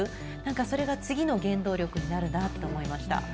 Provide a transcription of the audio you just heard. それが次の原動力になるなと思いました。